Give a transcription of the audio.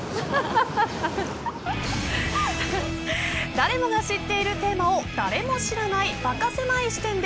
誰もが知っているテーマを誰も知らないバカせまい視点で